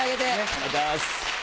ありがとうございます。